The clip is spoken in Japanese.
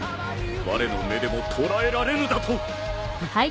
われの目でも捉えられぬだと！？